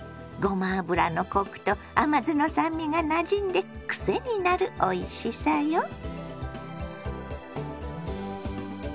ごま油のコクと甘酢の酸味がなじんでくせになるおいしさよ。